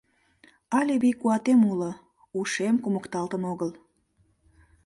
«Але вий-куатем уло, ушем кумыкталтын огыл.